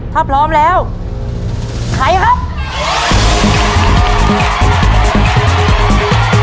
ถ้าพร้อมแล้วไขครับ